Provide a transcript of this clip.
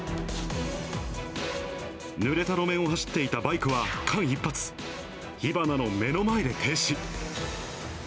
ぬれた路面を走っていたバイクは、間一髪、火花の目の前で停止。